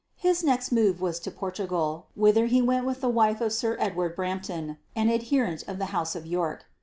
His next move was to Portugal, whither he went with the wife of Sir Edward Brampton, an adherent of the House of York.